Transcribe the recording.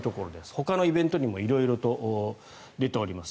ほかのイベントにも色々と出ております。